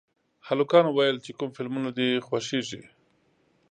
هلکانو ویل چې کوم فلمونه دي خوښېږي